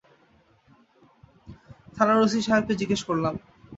থানার ওসি সাহেবকে জিজ্ঞেস করলাম।